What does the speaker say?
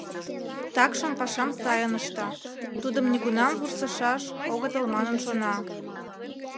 Такшым пашам сайын ышта, тудым нигунам вурсышаш огытыл манын шона.